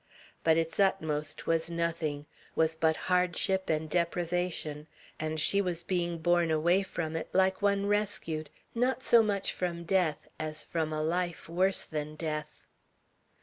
But its utmost was nothing, was but hardship and deprivation; and she was being borne away from it, like one rescued, not so much from death, as from a life worse than death.